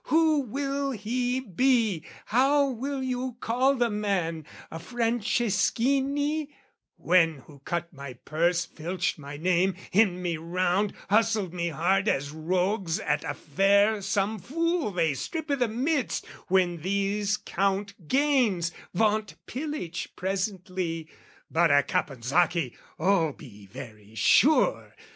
Who will he be, how will you call the man? A Franceschini, when who cut my purse, Filched my name, hemmed me round, hustled me hard As rogues at a fair some fool they strip i' the midst, When these count gains, vaunt pillage presently: But a Caponsacchi, oh, be very sure!